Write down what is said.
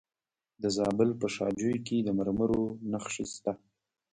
د زابل په شاجوی کې د مرمرو نښې شته.